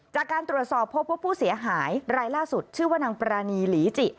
จากการตรวจสอบพบว่าผู้เสียหายรายล่าสุดชื่อว่านางปรานีหลีจิ